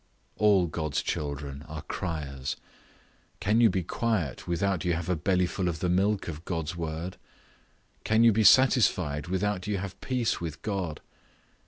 All God's children are criers. Can you be quiet without you have a bellyful of the milk of God's word? Can you be satisfied without you have peace with God?